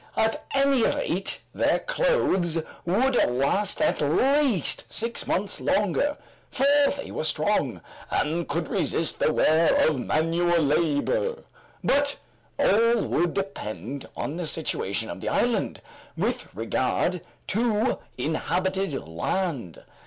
At any rate their clothes would last at least six months longer, for they were strong, and could resist the wear of manual labor. But all would depend on the situation of the island with regard to inhabited land.